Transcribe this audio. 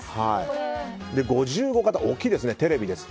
５５型大きいですね、テレビです。